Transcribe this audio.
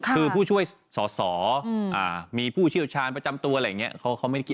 คือผู้ช่วยสอสอมีผู้เชี่ยวชาญประจำตัวอะไรอย่างนี้